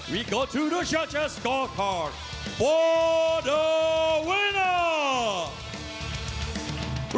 เราจะไปกับชัลเจสสกอร์คาร์ของผู้ชมครับ